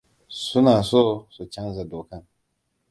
Suna so su canza dokan.